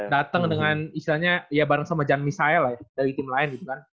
datang dengan istilahnya ya bareng sama jan misail lah ya dari tim lain gitu kan